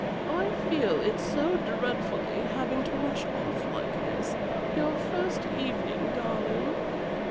I feel it so dreadfully, having to rush off like this, your first evening, darling."